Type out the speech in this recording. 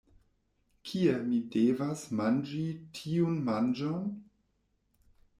Kie mi devas manĝi tiun manĝon?